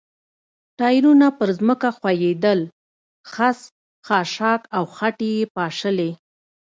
ټایرونه پر ځمکه ښویېدل، خس، خاشاک او خټې یې پاشلې.